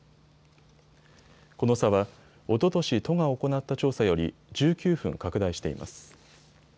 この差は、おととし都が行った調査より１９分拡大しています。